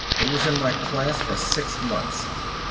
He was in my class for six months."